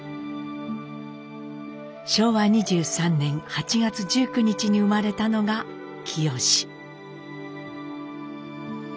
昭和２３年８月１９日に生まれたのが清。